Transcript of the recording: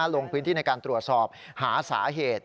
ลงพื้นที่ในการตรวจสอบหาสาเหตุ